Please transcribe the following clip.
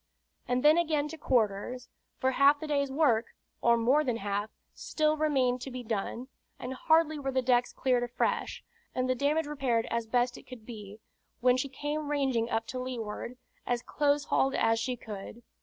And then again to quarters; for half the day's work, or more than half, still remained to be done; and hardly were the decks cleared afresh, and the damage repaired as best it could be, when she came ranging up to leeward, as closehauled as she could.